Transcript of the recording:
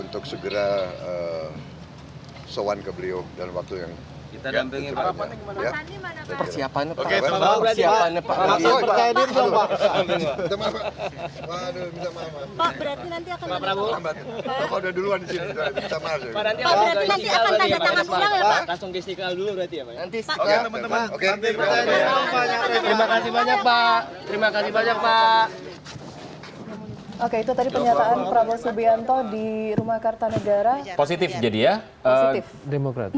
terima kasih banyak pak